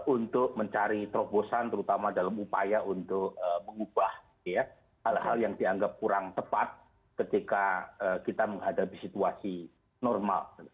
untuk mencari terobosan terutama dalam upaya untuk mengubah hal hal yang dianggap kurang tepat ketika kita menghadapi situasi normal